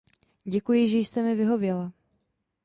Děkuji, že jste mi vyhověla.